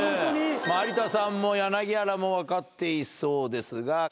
有田さんも柳原も分かっていそうですが。